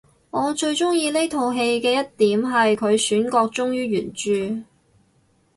我最鍾意呢套戲嘅一點係佢選角忠於原著